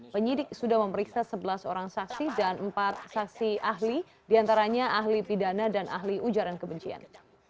penyidik sudah memeriksa sebelas orang saksi dan empat saksi ahli diantaranya ahli pidana dan ahli ujaran kebencian